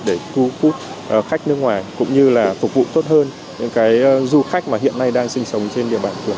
để thu hút khách nước ngoài cũng như là phục vụ tốt hơn những cái du khách mà hiện nay đang sinh sống trên địa bàn phường